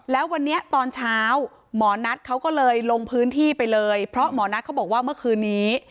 แล้ววันนี้ตอนเช้าหมอนัทเขาก็เลยลงพื้นที่ไปเลยเพราะหมอนัทเขาบอกว่าเมื่อคืนนี้